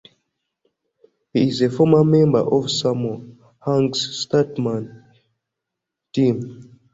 He is a former member of Sammo Hung's Stuntman Team.